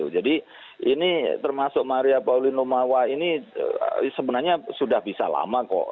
jadi ini termasuk maria pauline lumawa ini sebenarnya sudah bisa lama kok